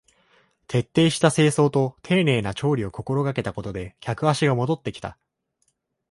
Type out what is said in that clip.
徹底した清掃と丁寧な調理を心がけたことで客足が戻ってきた